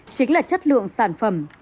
chính là chất lượng sản phẩm